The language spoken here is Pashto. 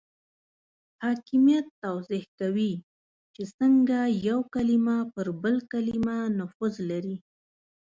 حاکمیت توضیح کوي چې څنګه یو کلمه پر بل کلمه نفوذ لري.